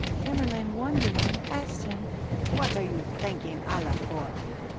Tamerlane, won dering, asks him, "What are you thanking Allah for?"